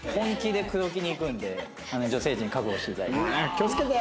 気をつけて！